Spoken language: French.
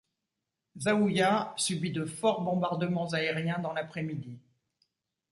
Zaouïa subit de fort bombardements aériens dans l'après-midi.